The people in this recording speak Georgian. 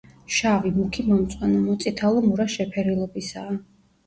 შავი, მუქი მომწვანო, მოწითალო მურა შეფერილობისაა.